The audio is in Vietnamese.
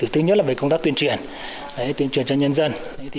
thứ nhất là về công tác tuyên truyền tuyên truyền cho nhân dân